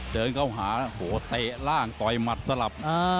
เดินเข้าหาโอ้โหเตะล่างต่อยหมัดสลับ